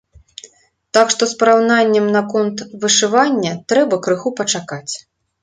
Так што з параўнаннем наконт вышывання трэба крыху пачакаць.